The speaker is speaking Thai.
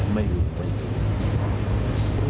ไม่รู้